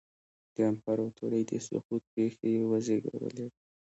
د امپراتورۍ د سقوط پېښې یې وزېږولې